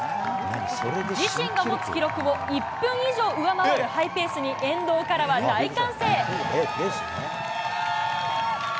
自身が持つ記録を１分以上上回るハイペースに沿道からは大歓声。